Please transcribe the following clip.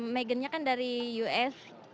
meghan nya kan dari us